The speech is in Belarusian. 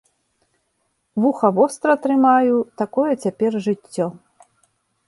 Вуха востра трымаю, такое цяпер жыццё.